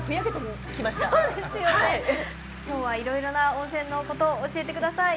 今日はいろいろな温泉のこと教えてください。